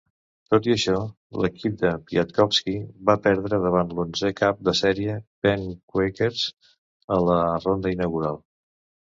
Tot i això, l'equip de Piatkowski va perdre davant l'onzè cap de sèrie Penn Quakers a la ronda inaugural.